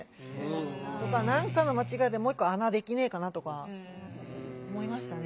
何かの間違いでもう一個穴できねえかなとか思いましたね。